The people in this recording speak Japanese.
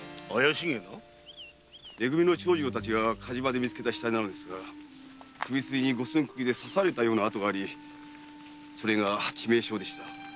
め組の長次郎たちが火事場で見つけた死体なのですが首筋に五寸釘で刺されたような痕がありそれが致命傷でした。